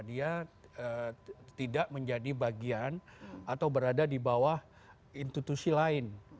dia tidak menjadi bagian atau berada di bawah institusi lain